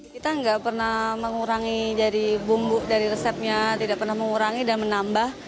kita nggak pernah mengurangi dari bumbu dari resepnya tidak pernah mengurangi dan menambah